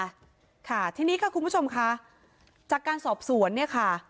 แรงจูงใจนะคะค่ะทีนี้ค่ะคุณผู้ชมค่ะจากการสอบสวนเนี่ยค่ะ